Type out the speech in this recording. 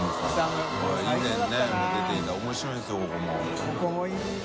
面白いんですよ